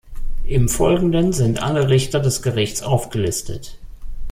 Im Folgenden sind alle Richter des Gerichts aufgelistet.